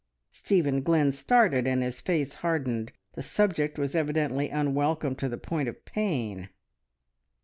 Stephen Glynn started, and his face hardened. The subject was evidently unwelcome to the point of pain.